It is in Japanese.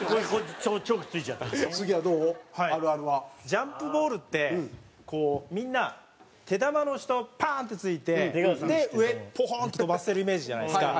ジャンプボールってこうみんな手球の下をパーン！って撞いて上ポーン！って飛ばしてるイメージじゃないですか。